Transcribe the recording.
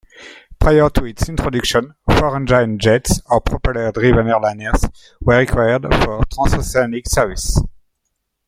Prior to its introduction, four-engined jets or propeller-driven airliners were required for transoceanic service.